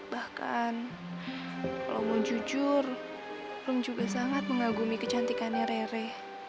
bahkan kalau mau jujur juga sangat mengagumi kecantikannya rere